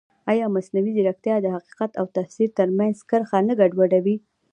ایا مصنوعي ځیرکتیا د حقیقت او تفسیر ترمنځ کرښه نه ګډوډوي؟